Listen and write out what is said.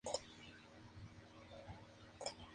Fue el primer sencillo de su álbum debut "Aerosmith".